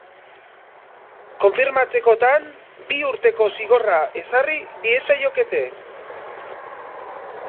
Konfirmatzekotan, bi urteko zigorra ezarri diezaiokete.